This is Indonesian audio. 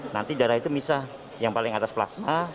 nanti darah itu bisa yang paling atas plasma